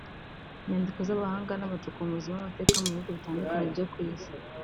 Inyandiko z’Abahanga n’abacukumbuzi b’amateka mu bihugu bitandukanye byo ku Isi